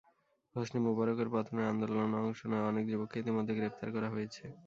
Hosni মোবারকের পতনের আন্দোলনে অংশ নেওয়া অনেক যুবককে ইতিমধ্যে গ্রেপ্তার করা হয়েছে।